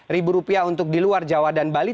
ribu rupiah untuk di luar jawa dan bali